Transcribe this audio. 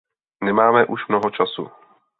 Nemáme už mnoho času.